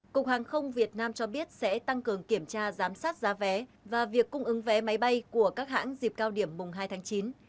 cục hàng không việt nam cho biết sẽ tăng cường kiểm tra giám sát giá vé và việc cung ứng vé máy bay của các hãng dịp cao điểm mùng hai tháng chín